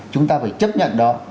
chúng ta phải chấp nhận đó